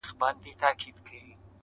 په کوټه کي یې وهلې خرچیلکي.!